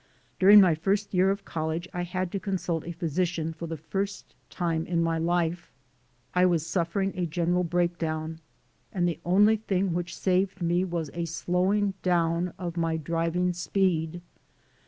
During my first year of college I had to consult a physician for the first time in my life. I was suf fering a general breakdown, and the only thing which saved me was a slowing down of my driving speed.